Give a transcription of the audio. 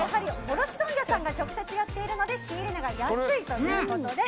卸問屋さんが直接やっているので仕入れ値が安いということで。